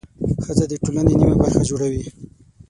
ښځه د ټولنې نیمه برخه جوړوي.